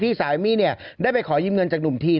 ที่สาวเอมมี่ได้ไปขอยิมเงินจากหนุ่มที